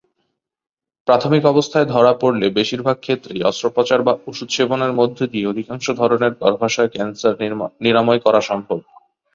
প্রাথমিক অবস্থায় ধরা পড়লে বেশিরভাগ ক্ষেত্রেই অস্ত্রোপচার বা ঔষধ সেবনের মধ্যে দিয়ে অধিকাংশ ধরনের গর্ভাশয় ক্যান্সার নিরাময় করা সম্ভব।